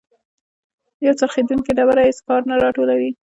یو څرخیدونکی ډبره هیڅ کای نه راټولوي.